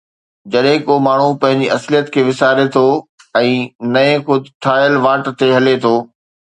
جڏهن ڪو ماڻهو پنهنجي اصليت کي وساري ٿو ۽ نئين خود ٺاهيل واٽ تي هلي ٿو